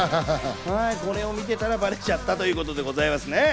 これを見てたらバレちゃったということですね。